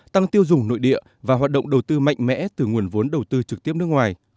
tăng tiêu dùng nội địa và hoạt động đầu tư mạnh mẽ từ nguồn vốn đầu tư trực tiếp nước ngoài